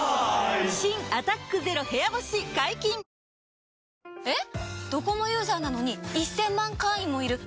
新「アタックＺＥＲＯ部屋干し」解禁‼新しいシートは。えっ？